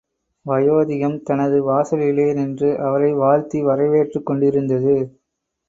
வயோதிகம் தனது வாசலிலே நின்று அவரை வாழ்த்தி வரவேற்றுக் கொண்டிருந்தது.